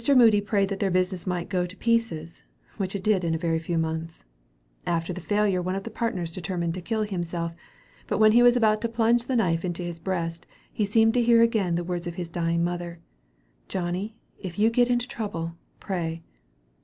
Moody prayed that their business might go to pieces, which it did in a very few months. After the failure, one of the partners determined to kill himself; but when he was about to plunge the knife into his breast, he seemed to hear again the words of his dying mother, "Johnny, if you get into trouble, pray."